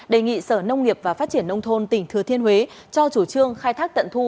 đề nghị sở nông nghiệp và phát triển nông thôn tỉnh thừa thiên huế cho chủ trương khai thác tận thu